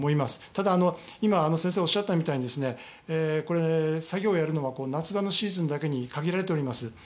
ただ、今、先生がおっしゃったみたいにこれ、作業をやるのは夏場のシーズンだけに限られております。